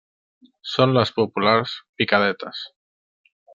Són les populars "picadetes".